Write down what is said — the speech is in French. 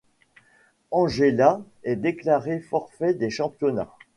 Angela a déclaré forfait des championnats.